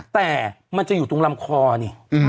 แต่มันจะอยู่ตรงลำคอนี่